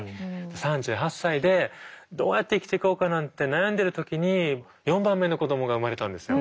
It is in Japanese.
３８歳でどうやって生きていこうかなんて悩んでる時に４番目の子どもが生まれたんですよ。